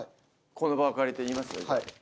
この場を借りて言いますね。